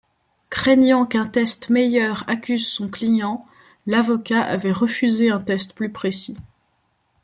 Craignant qu'un test meilleur accuse son client, l'avocat avait refusé un test plus précis.